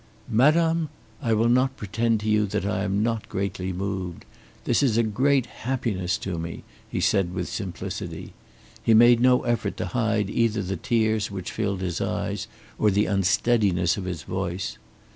"Madame, I will not pretend to you that I am not greatly moved. This is a great happiness to me," he said with simplicity. He made no effort to hide either the tears which filled his eyes or the unsteadiness of his voice.